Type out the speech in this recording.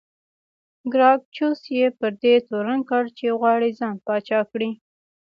ګراکچوس یې پر دې تورن کړ چې غواړي ځان پاچا کړي